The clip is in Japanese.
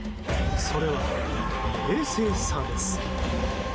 それは冷静さです。